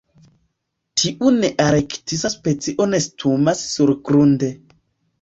Tiu nearktisa specio nestumas surgrunde.